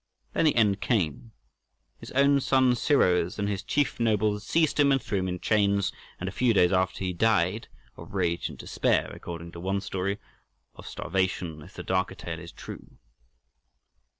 Then the end came: his own son Siroes and his chief nobles seized him and threw him in chains, and a few days after he died—of rage and despair according to one story, of starvation if the darker tale is true.